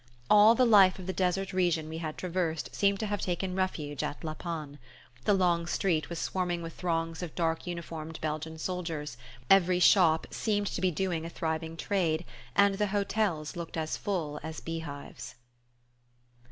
All the life of the desert region we had traversed seemed to have taken refuge at La Panne. The long street was swarming with throngs of dark uniformed Belgian soldiers, every shop seemed to be doing a thriving trade, and the hotels looked as full as beehives.